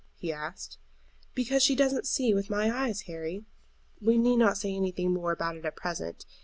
he asked. "Because she doesn't see with my eyes, Harry. We need not say anything more about it at present.